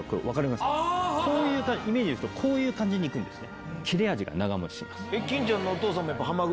こういうイメージですとこういう感じにいくんですね。